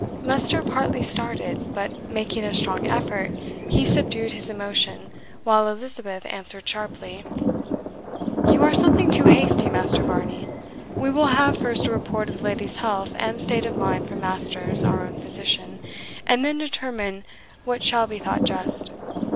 Leicester partly started; but making a strong effort, he subdued his emotion, while Elizabeth answered sharply, "You are something too hasty, Master Varney. We will have first a report of the lady's health and state of mind from Masters, our own physician, and then determine what shall be thought just.